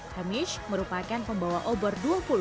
hemish merupakan pembawa obor dua puluh